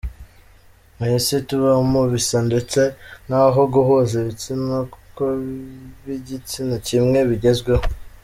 "Mu isi tubamo, bisa ndetse nkaho guhuza ibitsina kw'ab'igitsina kimwe bigezweho.